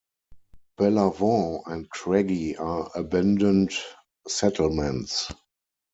Bellavaun and Craggy are abandoned settlements.